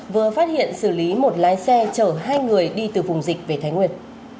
vừa phát hiện xử lý một lái xe chở hai người đi từ vùng dịch về thái nguyên